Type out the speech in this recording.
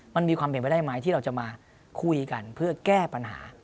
มันมีความเป็นไปได้ไหมที่เราจะมาคุยกันเพื่อแก้ปัญหา